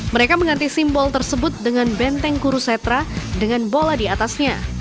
mereka mengganti simbol tersebut dengan benteng kurusetra dengan bola diatasnya